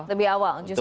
lebih awal justru